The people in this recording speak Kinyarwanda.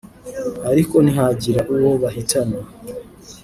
ariko ntihagira uwo bahitana